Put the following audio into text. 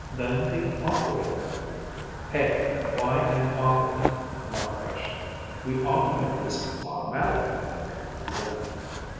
Then the operator " "Hey! Why an operator?" Mel questioned. "We ought to make this automatic." He grinned.